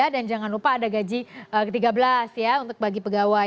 dan jangan lupa ada gaji ke tiga belas untuk bagi pegawai